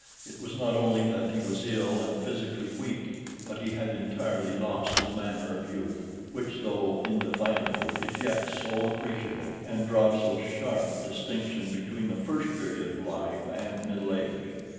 It was not only that he was ill and physically weak, but he had entirely lost the manner of youth, which, though indefinable, is yet so appreciable, and draws so sharp a distinction between the first period of life and middle age.